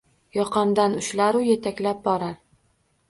Yoqamdan ushlaru yetaklab borar